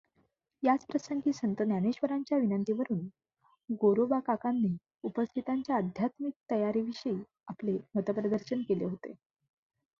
याच प्रसंगी संत ज्ञानेश्वरांच्या विनंतीवरून गोरोबाकाकांनी उपस्थितांच्या आध्यात्मिक तयारीविषयी आपले मतप्रदर्शन केले होते.